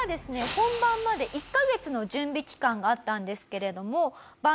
本番まで１カ月の準備期間があったんですけれどもバンビさん